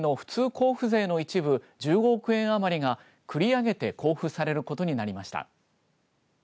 交付税の一部１５億円余りが繰り上げて交付されることになりました。